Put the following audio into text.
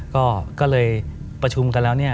ก็เลยประชุมกันแล้ว